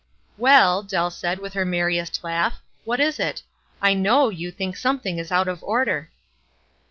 " Well," Dell said, with her merriest laugh, "what is it? I hwiv you think something is out of order."